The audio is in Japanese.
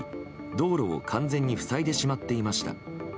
道路を完全に塞いでしまっていました。